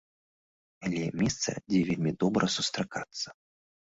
Але месца, дзе вельмі добра сустракацца.